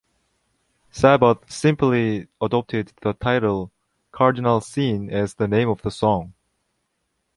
Sabbath simply adopted the title "Cardinal Sin" as the name of the song.